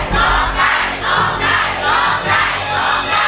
ร้องได้